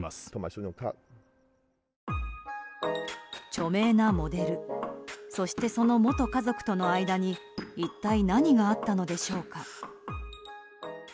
著名なモデルそして、その元家族との間に一体何があったのでしょうか。